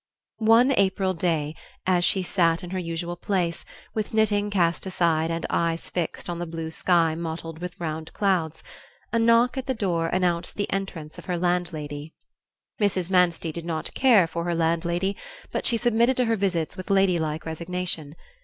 One April day, as she sat in her usual place, with knitting cast aside and eyes fixed on the blue sky mottled with round clouds, a knock at the door announced the entrance of her landlady. Mrs. Manstey did not care for her landlady, but she submitted to her visits with ladylike resignation.